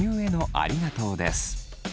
ありがとうです。